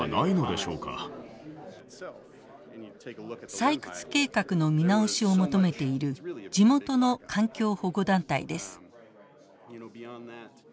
採掘計画の見直しを求めている地元の環境保護団体です。